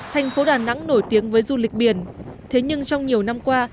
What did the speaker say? thành phố đà nẵng nổi tiếng với du lịch biển thế nhưng trong nhiều năm qua